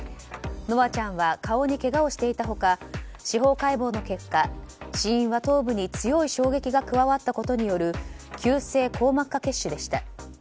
夢空ちゃんは顔にけがをさせていた他司法解剖の結果、死因は頭部に強い衝撃が加わったことによる急性硬膜下血腫でした。